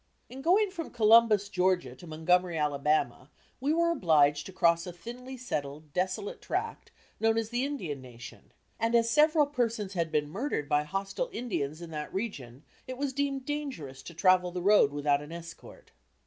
In going from Columbus, Georgia, to Montgomery, Alabama, we were obliged to cross a thinly settled, desolate tract, known as the "Indian Nation," and as several persons had been murdered by hostile Indians in that region, it was deemed dangerous to travel the road without an escort.